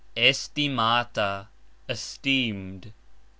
Estimata : esteemed.